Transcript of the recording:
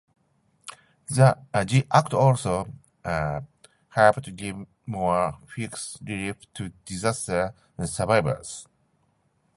The Act also helped give more fixed relief to disaster survivors.